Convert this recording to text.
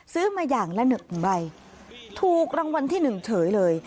ซื้อมาอย่างละ๑ใบถูกรางวัลที่๑เฉยเลย